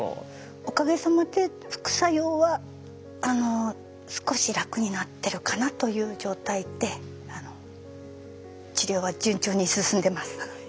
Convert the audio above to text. おかげさまで副作用は少し楽になってるかなという状態で治療は順調に進んでます。